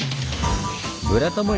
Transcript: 「ブラタモリ」